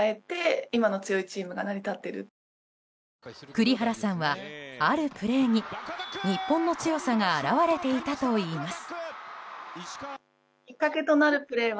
栗原さんは、あるプレーに日本の強さが表れていたといいます。